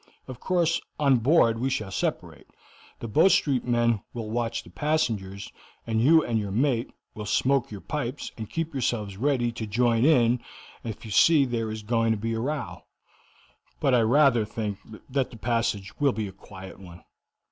Of course, on board we shall separate. The Bow Street men will watch the passengers, and you and your mate will smoke your pipes and keep yourselves ready to join in if you see there is going to be a row. But I rather think that the passage will be a quiet one.